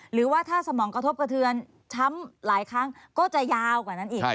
หรือว่าถ้าสมองกระทบกระเทือนช้ำหลายครั้งก็จะยาวกว่านั้นอีก